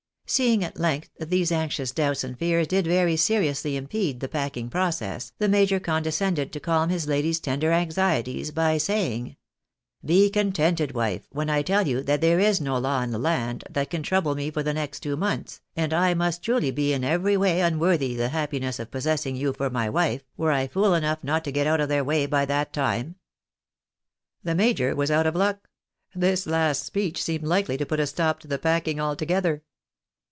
" Seeing, at length, that these anxious doubts and fears did very seriously impede the packing process, the major condescended to calm his lady's tender anxieties by saying —" Be contented, wife, when I tell you that there is no law in the land that can trouble me for the next two months, and I must truly be in every way unworthy the happiness of possessing yon for my wife, were I fool enough not to get out of their way by that time." THE MAJOR WIVS A KUT.Or.IUM FROM IIIS LADY. 285 Tlie major was out of luck. This last speech seemed likely to put a stop to the packing altogether.